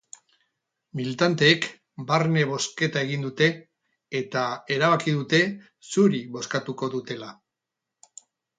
Militanteek barne bozketa egin dute, eta erabaki dute zuri bozkatuko dutela.